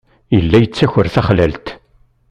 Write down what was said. Yella yettaker taxlalt.